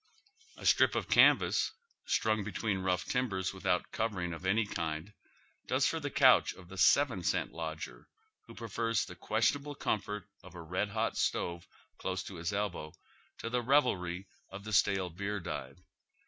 A strip of canvas, strung between rough timbers, without covering of any kind, does for the couch of the seven cent lodger who prefers the question able comfort of a red hot stove close to his elbow to the revelry of the stale beer dive.